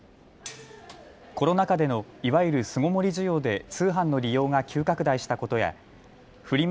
コロナ禍でのいわゆる巣ごもり需要で通販の利用が急拡大したことやフリマ